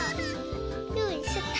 よいしょっと。